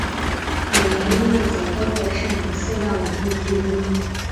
每年音乐节都会上演四到五幕剧目。